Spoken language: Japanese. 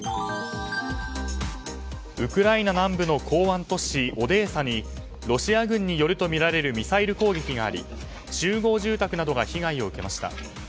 ウクライナ南部の港湾都市オデーサにロシア軍によるとみられるミサイル攻撃があり集合住宅などが被害を受けました。